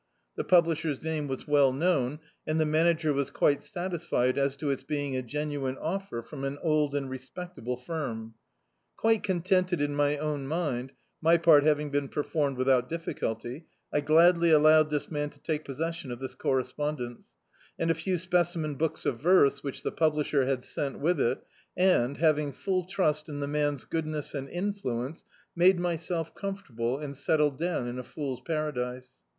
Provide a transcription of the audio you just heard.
The publisher's name was well known, and the Manager was quite satisfied as to its being a genuine offer from an old and respectable firai. Quite contented in my own mind, my part having been pcrfomicd without difBculty, I gladly allowed this man to take posses sion of this correspondence, and a few specimen books of veise, which the publisher had sent with it, and, having full trust in the man's goo^ess and influence, made myself comfortable, and settled down in a fool's paradise.